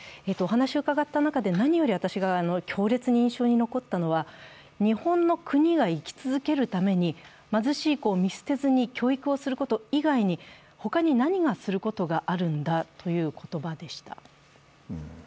お話を伺った中で何より私が強烈に印象に残ったのは日本の国が生き続けるために貧しい子を見捨てずに教育をすること以外に他に何がすることがあるんだという言葉でした。